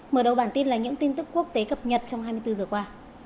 mở đầu bản tin là những tin tức quốc tế cập nhật trong hai mươi bốn giờ qua